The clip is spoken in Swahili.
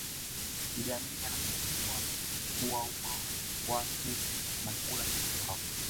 Idi Amin anatuhumiwa kuwaua watu na kula nyama zao